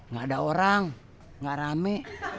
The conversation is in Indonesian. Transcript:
gak ada orang gak rame